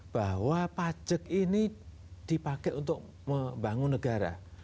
bahwa pajak ini dipakai untuk membangun negara